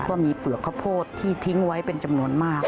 ว่ามีเปลือกข้าวโพดที่ทิ้งไว้เป็นจำนวนมาก